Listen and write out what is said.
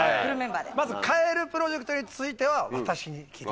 まずカエルプロジェクトについては私に聞いてください。